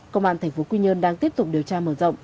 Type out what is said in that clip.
công an thành phố quy nhơn đang tiếp tục điều tra mở rộng